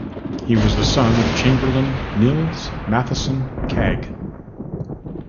He was the son of Chamberlain Nils Mathisson Kagg.